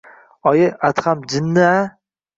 Oyi, Adham jinni-a?